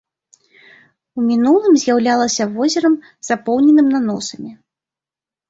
У мінулым з'яўлялася возерам, запоўненым наносамі.